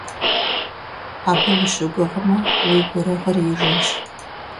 Абы ущыгугъмэ, уи гурыгъыр ижынщ.